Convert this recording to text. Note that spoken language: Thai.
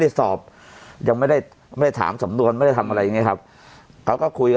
ได้สอบยังไม่ได้ถามสำรวจมาซีทำอะไรไงครับเขาก็คุย